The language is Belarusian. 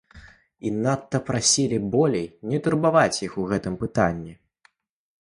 І надта прасілі болей не турбаваць іх у гэтым пытанні.